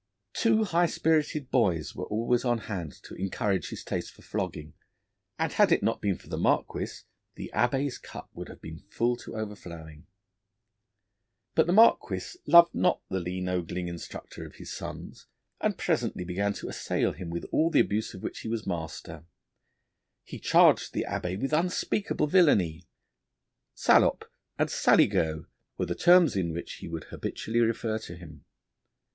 Two high spirited boys were always at hand to encourage his taste for flogging, and had it not been for the Marquis, the Abbé's cup would have been full to overflowing. But the Marquis loved not the lean, ogling instructor of his sons, and presently began to assail him with all the abuse of which he was master. He charged the Abbé with unspeakable villainy; salop and saligaud were the terms in which he would habitually refer to him.